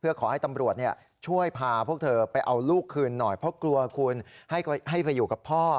เพื่อขอให้ตำรวจช่วยพาพวกเธอไปเอาลูกคืนหน่อยเพราะกลัวคุณให้ไปอยู่กับพ่อ